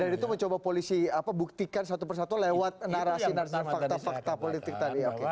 dan itu mencoba polisi buktikan satu persatu lewat narasi fakta fakta politik tadi